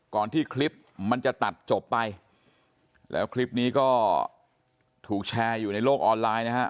ที่คลิปมันจะตัดจบไปแล้วคลิปนี้ก็ถูกแชร์อยู่ในโลกออนไลน์นะฮะ